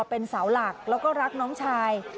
เป็นเสาหลักแล้วก็รักน้องชาย